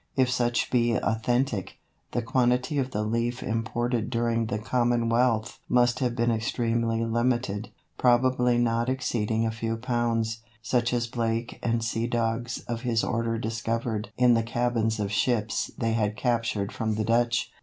If such be authentic, the quantity of the leaf imported during the Commonwealth must have been extremely limited, probably not exceeding a few pounds, such as Blake and "sea dogs" of his order discovered in the cabins of ships they had captured from the Dutch.